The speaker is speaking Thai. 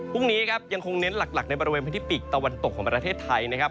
พรุ่งนี้ครับยังคงเน้นหลักในบริเวณพื้นที่ปีกตะวันตกของประเทศไทยนะครับ